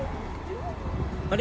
あれ？